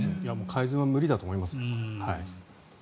改善は無理だと思います。